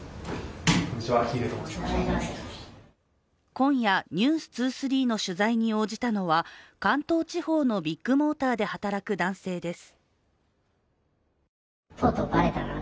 今夜、「ｎｅｗｓ２３」の取材に応じたのは関東地方のビッグモーターで働く男性です。